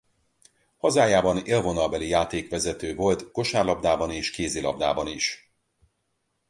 Hazájában élvonalbeli játékvezető volt kosárlabdában és kézilabdában is.